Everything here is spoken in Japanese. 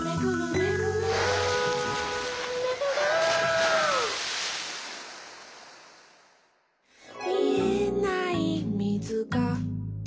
「めぐる」「みえないみずが」